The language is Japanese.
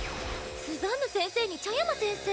スザンヌ先生に茶山先生？